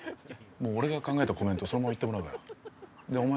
もう俺が考えたコメントそのまま言ってもらうからでお前